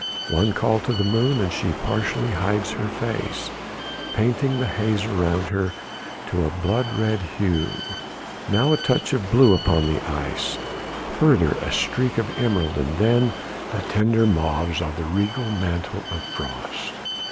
One call to the moon and she partially hides her face, painting the haze around her to a blood red hue; now a touch of blue upon the ice, further a streak of emerald, and then the tender mauves of the regal mantle of frost.